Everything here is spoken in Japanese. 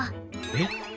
えっ？